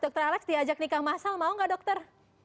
dokter alex diajak nikah massal mau nggak dokter